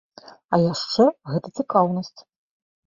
А яшчэ, гэта цікаўнасць.